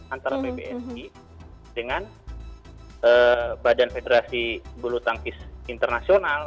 antara pbsg dengan badan federasi bulutangkis internasional